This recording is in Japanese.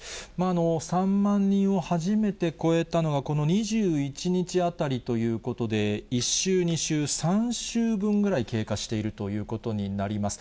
３万人を初めて超えたのが、この２１日あたりということで、１週、２週、３週分ぐらい経過しているということになります。